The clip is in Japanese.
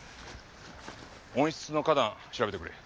温室の花壇調べてくれ。